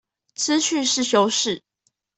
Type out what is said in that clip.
資訊是修飾